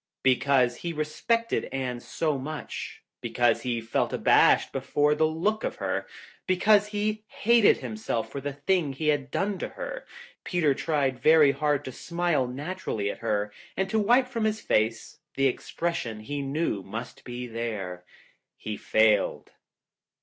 Because he re spected Anne so much; because he felt abashed before that look of hers; because he hated him self for the thing he had done to her, Peter tried very hard to smile naturally at her and to wipe from his face the expression he knew must be there. He failed.